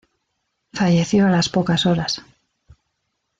Falleció a las pocas horas.